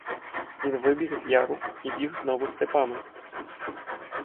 Він вибіг з яру і біг знову степами.